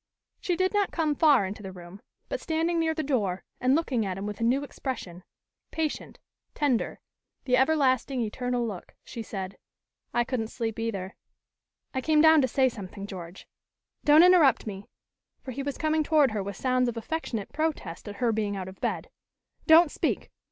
She did not come far into the room, but standing near the door and looking at him with a new expression patient, tender, the everlasting eternal look she said: "I couldn't sleep, either. I came down to say something, George. Don't interrupt me " for he was coming toward her with sounds of affectionate protest at her being out of bed. "Don't speak!